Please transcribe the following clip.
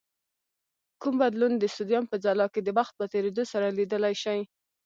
کوم بدلون د سودیم په ځلا کې د وخت په تیرېدو سره لیدلای شئ؟